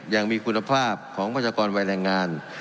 อย่างมีคุณภาพของพันธกรวัยแรงงาน